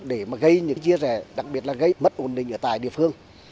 để mà gây những cái chia rẽ đặc biệt là gây mất ổn định ở tại địa phương